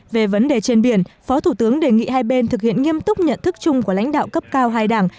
về vấn đề trên biển phó thủ tướng đề nghị hai bên thực hiện nghiêm túc nhận thức chung của lãnh đạo cấp cao hai đảng